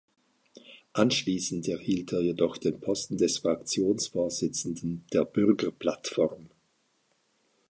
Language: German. Anschließend erhielt er jedoch den Posten des Fraktionsvorsitzenden der "Bürgerplattform".